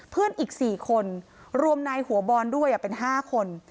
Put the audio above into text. เพื่อนอีก๔คนรวมนายหัวบอลด้วยเป็น๕คน